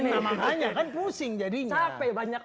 namanya kan pusing jadinya sampai banyak